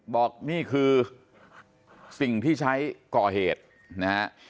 บอกนี่คือสิ่งที่ใช้ก่อเหตุนะฮะ